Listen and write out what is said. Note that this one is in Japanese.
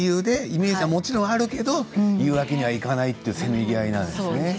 イメージはもちろんあるけど言うわけにはいかないというせめぎ合いなんですね。